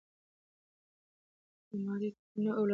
که ماري کوري راپور نه ورکړي، پایله به ناسم وي.